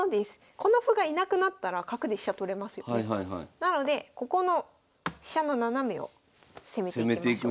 なのでここの飛車の斜めを攻めていきましょう。